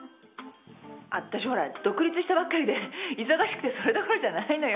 あっわたしほら独立したばっかりで忙しくてそれどころじゃないのよ。